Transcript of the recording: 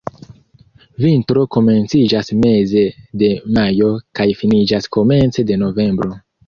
Vintro komenciĝas meze de majo kaj finiĝas komence de novembro.